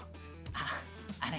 ああれ？